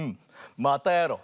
またやろう！